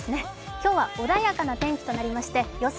今日は穏やかな天気となりまして予想